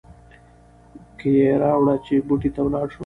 کیه راوړه چې بوټي ته ولاړ شو.